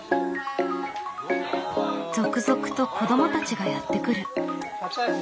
続々と子どもたちがやって来る。